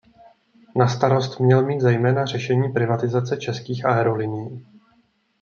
Na starost měl mít zejména řešení privatizace Českých aerolinií.